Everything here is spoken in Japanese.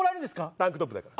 タンクトップだから。